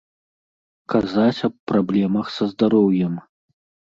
Казаць аб праблемах са здароўем.